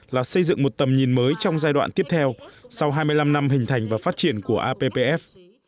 là xây dựng một tầm nhìn mới trong giai đoạn tiếp theo sau hai mươi năm năm hình thành và phát triển của appf